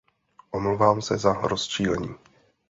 Omlouvám se za rozčilení.